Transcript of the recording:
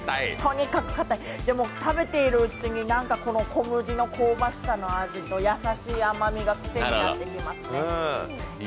でも食べているうちに小麦の香ばしさと優しい甘みが癖になってきますね。